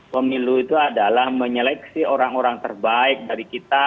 pemilu itu adalah menyeleksi orang orang terbaik dari kita